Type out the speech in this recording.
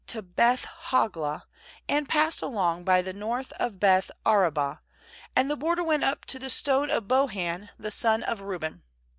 OTQ JOSHUA 15 32 and passed along by the north of Beth arabah; and the border went up to the Stone of Bohan the son of Reuben.